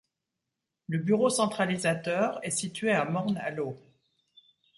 Le bureau centralisateur est situé à Morne-à-l'Eau.